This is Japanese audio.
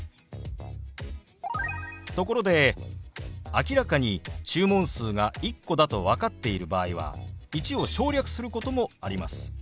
ところで明らかに注文数が１個だと分かっている場合は「１」を省略することもあります。